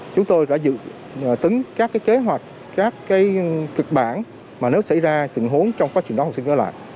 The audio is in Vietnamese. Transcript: chúng tôi đã dự tính các cái kế hoạch các cái cực bản mà nếu xảy ra tình huống trong quá trình đó học sinh trở lại